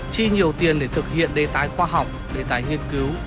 chi nhiều tiền để thực hiện đề tái khoa học đề tài nghiên cứu